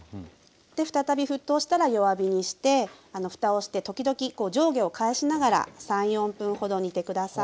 再び沸騰したら弱火にしてふたをして時々こう上下を返しながら３４分ほど煮て下さい。